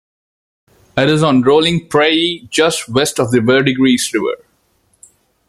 It is on rolling prairie just west of the Verdigris River.